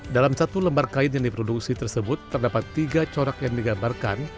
dalam satu lembar kain yang diproduksi tersebut terdapat tiga corak yang digambarkan